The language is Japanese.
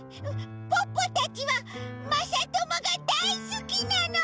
ポッポたちはまさともがだいすきなの！